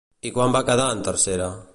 I quan va quedar en tercera?